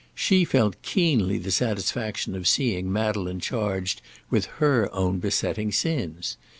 She felt keenly the satisfaction of seeing Madeleine charged with her own besetting sins.